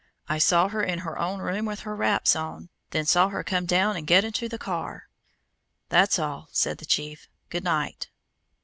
"I saw her in her own room with her wraps on, then saw her come down and get into the car." "That's all," said the chief. "Good night."